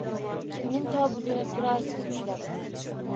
Kimning tobutini turarsiz ushlab?